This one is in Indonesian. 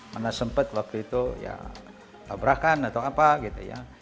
mana sempat waktu itu ya tabrakan atau apa gitu ya